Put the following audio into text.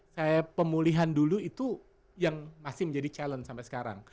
saya pemulihan dulu itu yang masih menjadi challenge sampai sekarang